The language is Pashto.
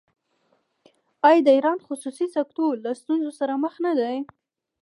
آیا د ایران خصوصي سکتور له ستونزو سره مخ نه دی؟